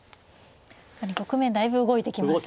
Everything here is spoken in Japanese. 局面だいぶ動いてきましたね。